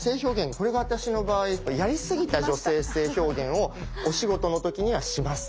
これが私の場合やりすぎた女性性表現をお仕事の時にはします。